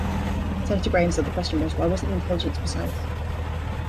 Senator Graham said the question was why wasn't the intelligence precise.